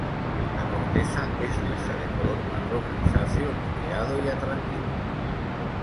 La corteza es lisa de color marrón grisáceo moteado y atractivo.